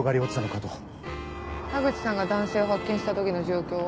田口さんが男性を発見した時の状況は？